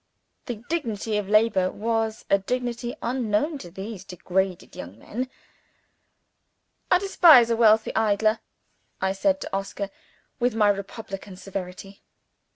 The dignity of labor was a dignity unknown to these degraded young men. "I despise a wealthy idler," I said to Oscar, with my republican severity.